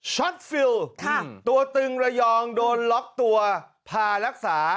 ฟิลตัวตึงระยองโดนล็อกตัวพารักษา